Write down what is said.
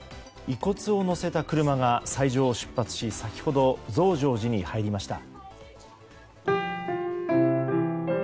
遺骨を乗せた車が斎場を出発し先ほど増上寺に入りました。